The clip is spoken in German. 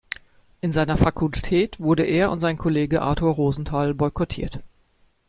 In seiner Fakultät wurde er und sein Kollege Arthur Rosenthal boykottiert.